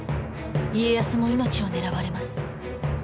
家康も命を狙われます。